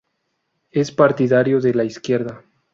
Es partidario de la izquierda.